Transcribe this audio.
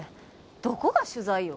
どこが取材よ？